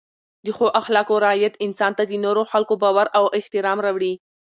د ښو اخلاقو رعایت انسان ته د نورو خلکو باور او احترام راوړي.